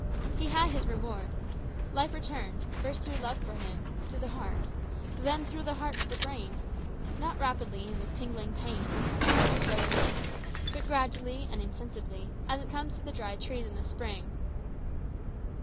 He had his reward. Life returned, first through love for him, to the heart; then, through the heart, to the brain. Not rapidly and with tingling pain, as it returns to a frozen limb, but gradually and insensibly, as it comes to the dry trees in spring.